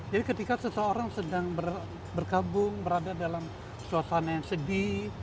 jadi ketika seseorang sedang berkabung berada dalam suasana yang sedih